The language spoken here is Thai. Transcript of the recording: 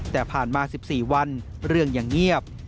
แต่ผ่านมา๑๔วันเรื่องยังเงียบ